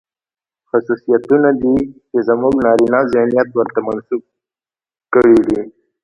خصوصيتونه دي، چې زموږ نارينه ذهنيت ورته منسوب کړي دي.